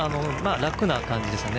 楽な感じですね。